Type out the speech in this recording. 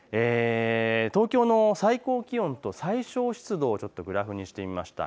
東京の最高気温と最小湿度をグラフにしてみました。